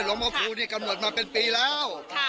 หลวงพระครูนี่กำหนดมาเป็นปีแล้ว